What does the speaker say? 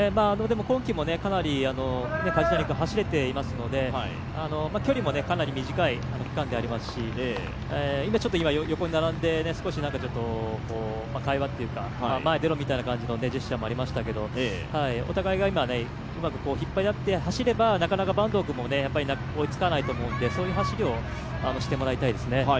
今季もかなり梶谷君、走れていますので距離もかなり短い区間でありますし、今横に並んで少し会話というか、前へ出ろみたいなジェスチャーもありましたけどお互いが今、うまく引っ張り合って走れば、なかなか坂東君も追いつかないと思うので、そういう走りをしてもらいたいですね。